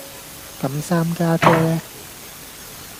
咁三家姐呢